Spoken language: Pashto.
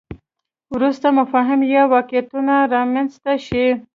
وروسته مفاهیم یا واقعیتونه رامنځته شي.